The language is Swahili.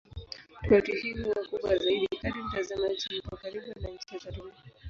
Tofauti hii huwa kubwa zaidi kadri mtazamaji yupo karibu na ncha za Dunia.